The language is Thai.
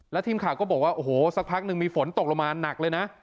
ทีมข่าวก็บอกว่าโอ้โหสักพักหนึ่งมีฝนตกลงมาหนักเลยนะ